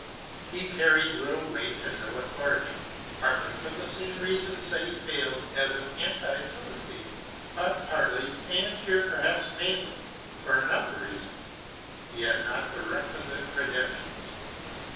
He carried little weight and no authority, partly for the same reasons that he failed as an anti Philistine, but partly, and here perhaps mainly, for another reason: he had not the requisite credentials.